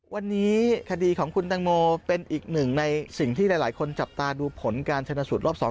วันนี้คดีของคุณตังโมเป็นอีกหนึ่งในสิ่งที่หลายคนจับตาดูผลการชนสูตรรอบสอง